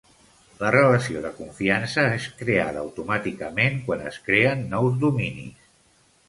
La relació de confiança és creada automàticament quan es creen nous dominis.